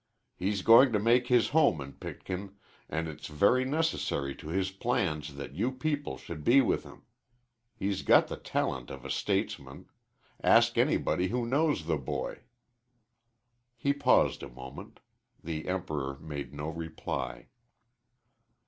"He's going to make his home in Pitkin, and it's very necessary to his plans that you people should be with him. He's got the talent of a statesman. Ask anybody who knows the boy." He paused a moment. The Emperor made no reply.